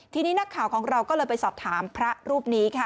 ทีนี้นักข่าวของเราก็เลยไปสอบถามพระรูปนี้ค่ะ